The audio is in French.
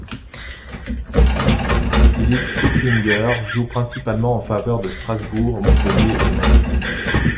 Philippe Flucklinger joue principalement en faveur de Strasbourg, Montpellier et Metz.